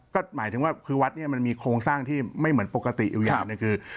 ก็หมายถึงว่าคือวัดเนี่ยมันมีโครงสร้างที่ไม่เหมือนปกติอยู่อย่างหนึ่งคือ